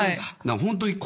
ホントに。